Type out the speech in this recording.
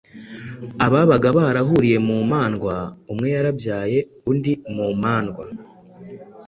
Ababaga barahuriye mu mandwa, umwe yarabyaye undi mu mandwa